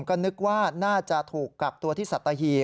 ก็นึกว่าน่าจะถูกกักตัวที่สัตหีบ